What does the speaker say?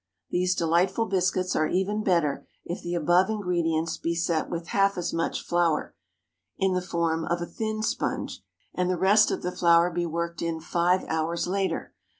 These delightful biscuits are even better if the above ingredients be set with half as much flour, in the form of a thin sponge, and the rest of the flour be worked in five hours later.